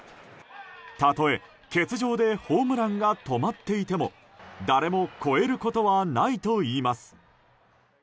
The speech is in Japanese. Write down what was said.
たとえ、欠場でホームランが止まっていても誰も超えることはないといいます。